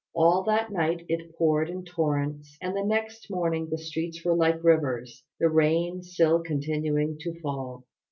All that night it poured in torrents, and the next morning the streets were like rivers, the rain still continuing to fall.